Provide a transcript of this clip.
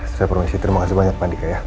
saya promosi terima kasih banyak pak dika ya